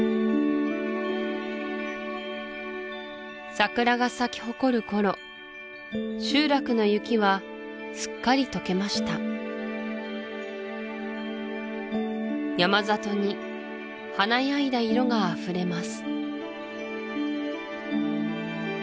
桜が咲き誇る頃集落の雪はすっかり解けました山里に華やいだ色があふれます